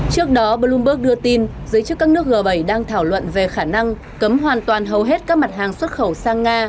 trước đó bloomberg đưa tin giới chức các nước g bảy đang thảo luận về khả năng cấm hoàn toàn hầu hết các mặt hàng xuất khẩu sang nga